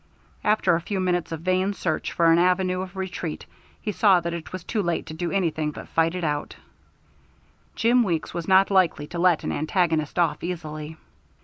After a few minutes of vain search for an avenue of retreat, he saw that it was too late to do anything but fight it out; Jim Weeks was not likely to let an antagonist off easily.